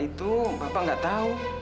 soalnya itu bapak enggak tahu